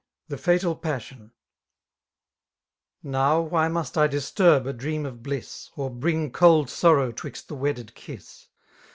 7%« Falal Pamm, Now why must I disturb a dreum of blis8> Or bring cold sorrow 'twixt the wedded kiss